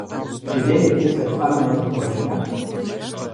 Чи є якісь рекламні надходження?